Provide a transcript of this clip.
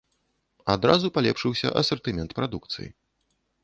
Адразу палепшыўся асартымент прадукцыі.